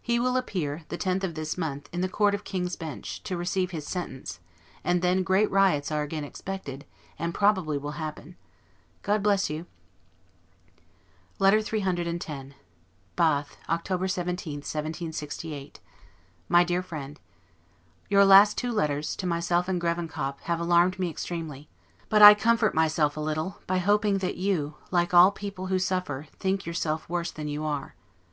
He will appear, the 10th of this month, in the Court of King's Bench, to receive his sentence; and then great riots are again expected, and probably will happen. God bless you! LETTER CCCX BATH, October 17, 1768. MY DEAR FRIEND. Your last two letters, to myself and Grevenkop, have alarmed me extremely; but I comfort myself a little, by hoping that you, like all people who suffer, think yourself worse than you are.